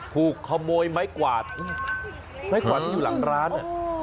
ถูกขโมยไม้กวาดไม้กวาดที่อยู่หลังร้านเนี่ย